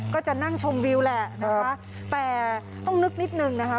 ก็จะนั่งชมวิวแหละนะคะแต่ต้องนึกนิดนึงนะคะ